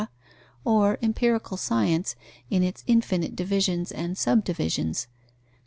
or empirical science in its infinite divisions and subdivisions.